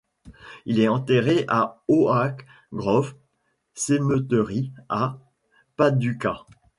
Il est enterré au Oak Grove Cemetery à Paducah.